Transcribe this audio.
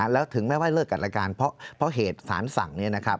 แล้วถึงแม้ว่าเลิกกับรายการเพราะเหตุสารสั่งนี้นะครับ